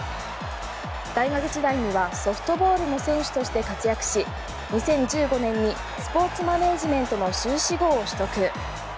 大学時代にはソフトボールの選手として活躍し２０１５年にスポーツマネジメントの修士号を取得。